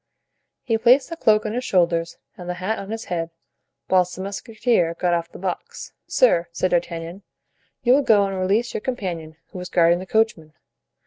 He placed the cloak on his shoulders and the hat on his head, whilst the musketeer got off the box. "Sir," said D'Artagnan, "you will go and release your companion, who is guarding the coachman.